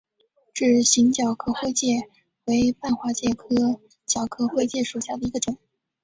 指形角壳灰介为半花介科角壳灰介属下的一个种。